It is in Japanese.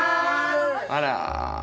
あら。